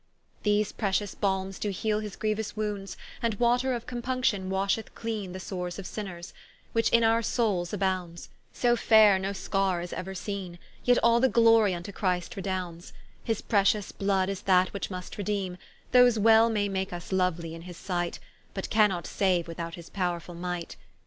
¶ These pretious balmes doe heale his grieuous wounds, And water of Compunction washeth cleane The soares of sinnes, which in our Soules abounds; So faire, no skarre is euer seene; Yet all the glory vnto Christ redounds, His pretious blood is that which must redeeme; Those well may make vs louely in his sight, But cannot saue without his powrefull might.